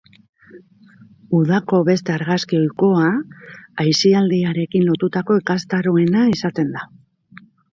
Udako beste argazki ohikoa, aisialdiarekin lotutako ikastaroena izaten da.